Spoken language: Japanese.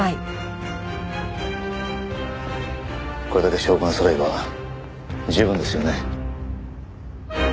これだけ証拠がそろえば十分ですよね？